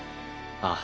ああ。